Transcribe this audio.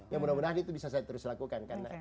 ya mudah mudahan itu bisa saya terus lakukan